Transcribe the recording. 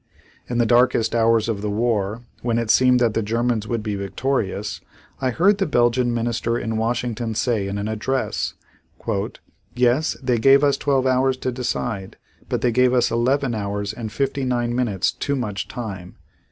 In the darkest hours of the war, when it seemed that the Germans would be victorious, I heard the Belgian minister in Washington say in an address: "Yes, they gave us twelve hours to decide, but they gave us eleven hours and fifty nine minutes too much time."